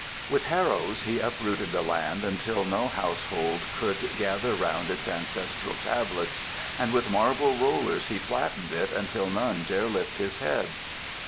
With harrows he uprooted the land until no household could gather round its ancestral tablets, and with marble rollers he flattened it until none dare lift his head.